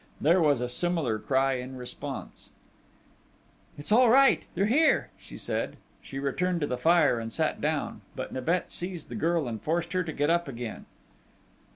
There was a similar cry in response. "It's all right. They're here!" she said. She returned to the fire and sat down. But Nibet seized the girl and forced her to get up again.